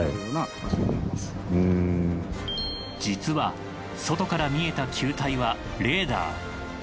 実は外から見えた球体はレーダー。